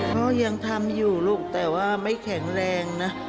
ก็ยังทำอยู่ลูกแต่ว่าไม่แข็งแรงนะ